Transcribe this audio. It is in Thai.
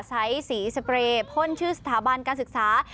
สีสเปรย์พ่นชื่อสถาบันการศึกษา